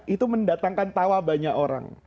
itu mendatangkan tawa banyak orang